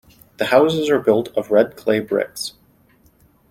The houses are built of red clay bricks.